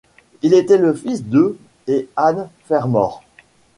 Il était le fils de et Anne Fermor.